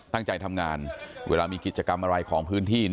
ตั้งใจทำงานเวลามีกิจกรรมอะไรของพื้นที่